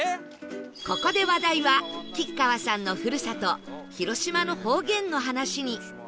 ここで話題は吉川さんの故郷広島の方言の話に